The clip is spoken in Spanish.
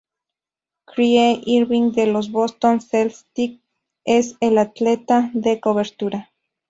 Kyrie Irving de los Boston Celtics es el atleta de cobertura.